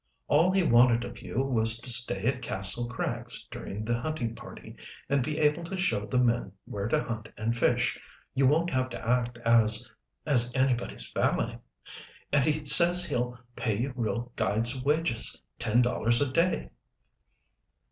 "All he wanted of you was to stay at Kastle Krags during the hunting party, and be able to show the men where to hunt and fish. You won't have to act as as anybody's valet and he says he'll pay you real guide's wages, ten dollars a day."